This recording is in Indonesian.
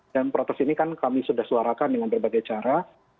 dan protes ini kami sudah suarakan dengan berbagai cara